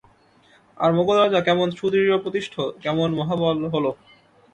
আর মোগল রাজা কেমন সুদৃঢ়প্রতিষ্ঠ, কেমন মহাবল হল।